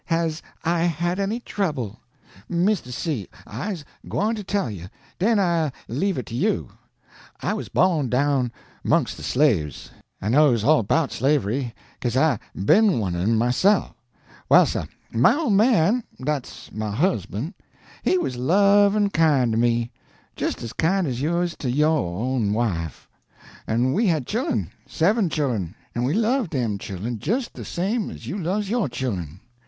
"Has I had any trouble? Misto C , I's gwyne to tell you, den I leave it to you. I was bawn down 'mongst de slaves; I knows all 'bout slavery, 'case I ben one of 'em my own se'f. Well sah, my ole man dat's my husban' he was lovin' an' kind to me, jist as kind as you is to yo' own wife. An' we had chil'en seven chil'en an' we loved dem chil'en jist de same as you loves yo' chil'en.